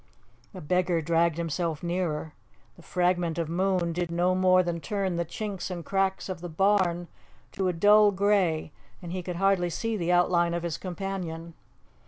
The beggar dragged himself nearer. The fragment of moon did no more than turn the chinks and cracks of the barn to a dull grey, and he could hardly see the outline of his companion.